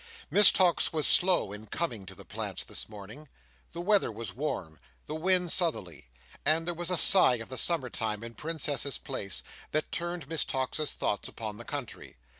Miss Tox was slow in coming to the plants, this morning. The weather was warm, the wind southerly; and there was a sigh of the summer time in Princess's Place, that turned Miss Tox's thoughts upon the country.